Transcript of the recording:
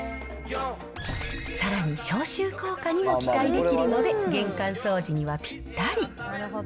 さらに消臭効果にも期待できるので、玄関掃除にはぴったり。